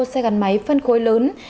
xe gắn máy phân khối lớn